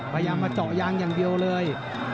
พยายามมาเจาะยางอย่างเดียวเลย